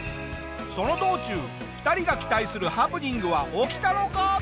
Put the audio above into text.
その道中２人が期待するハプニングは起きたのか？